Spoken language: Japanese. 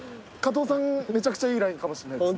めちゃくちゃいいラインかもしれないです。